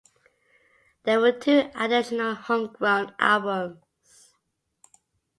There were two additional Homegrown albums.